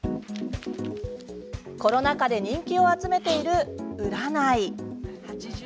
コロナ禍で人気を集めている占い。